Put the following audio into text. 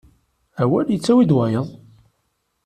Awal ittawi-d wayeḍ.